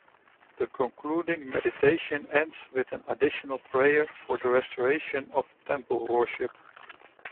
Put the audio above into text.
The concluding meditation ends with an additional prayer for the restoration of Temple worship.